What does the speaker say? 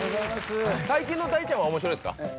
最近の大ちゃんはおもしろいですか？